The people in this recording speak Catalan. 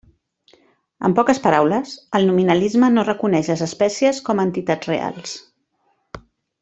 En poques paraules, el nominalisme no reconeix les espècies com a entitats reals.